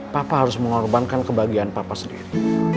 papa harus mengorbankan kebahagiaan papa sendiri